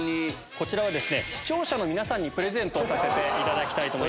こちらは視聴者の皆さんにプレゼントさせていただきます。